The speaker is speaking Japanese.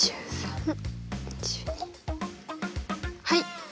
はい！